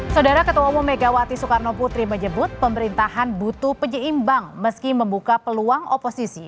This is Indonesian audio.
saudara ketua umum megawati soekarno putri menyebut pemerintahan butuh penyeimbang meski membuka peluang oposisi